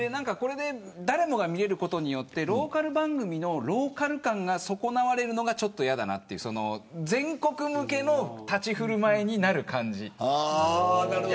誰もが見られることによってローカル番組のローカル感が損なわれるのがちょっとやだなと全国向けの立ち振る舞いになる感じ。